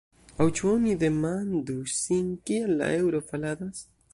Aŭ ĉu oni demandu sin kial la eŭro faladas?